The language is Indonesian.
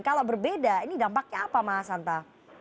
kalau berbeda ini dampaknya apa mas hanta